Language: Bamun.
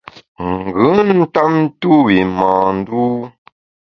Ngùn ntap ntu’w i mâ ndû.